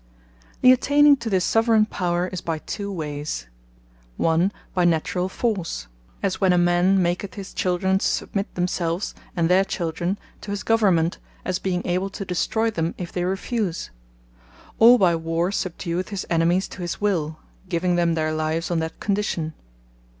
The attaining to this Soveraigne Power, is by two wayes. One, by Naturall force; as when a man maketh his children, to submit themselves, and their children to his government, as being able to destroy them if they refuse, or by Warre subdueth his enemies to his will, giving them their lives on that condition.